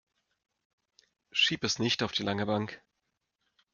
Schieb es nicht auf die lange Bank.